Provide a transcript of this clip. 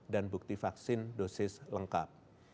dan bukti vaksin dosis lengkap